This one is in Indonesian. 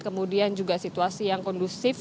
kemudian juga situasi yang kondusif